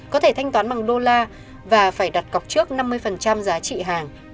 có thể thanh toán bằng đô la và phải đặt cọc trước năm mươi giá trị hàng